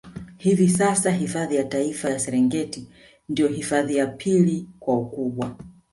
Hivi sasa hifadhi ya Taifa ya Serengeti ndio hifadhi ya pili kwa ukubwa